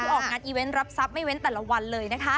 แล้วก็ออกงานอีเวนท์รับศัพท์ไม่เว้นแต่ละวันเลยนะคะ